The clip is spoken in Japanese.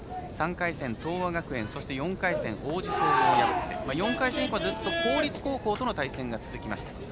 ３回戦、東亜学園そして、４回戦王子を破って４回戦以降はずっと公立高校との対戦が続きました。